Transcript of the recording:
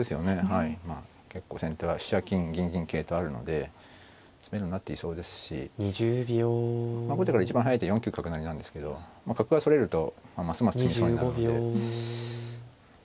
はいまあ結構先手は飛車金銀銀桂とあるので詰めろになっていそうですし後手から一番速い手４九角成なんですけど角がそれるとますます詰みそうになるので。